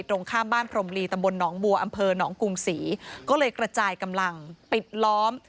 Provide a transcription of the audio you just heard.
ตรงข้ามบ้านพรมลีตำบลหนองบัวอำเภอหนองกรุงศรีก็เลยกระจายกำลังปิดล้อม